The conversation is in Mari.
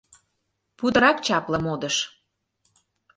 Путырак чапле модыш.